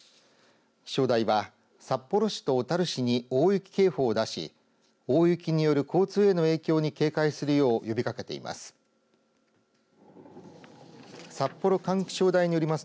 気象台は札幌市と小樽市に大雪警報を出し大雪による交通への影響に警戒するよう呼びかけています。